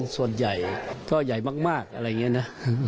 ส่วนใหญ่ก็ใหญ่มากอะไรอย่างนี้นะ